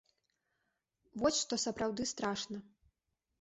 Вось што сапраўды страшна.